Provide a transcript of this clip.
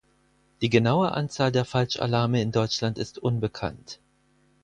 Die genaue Anzahl der Falschalarme in Deutschland ist unbekannt.